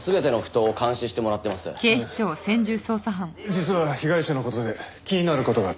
実は被害者の事で気になる事があった。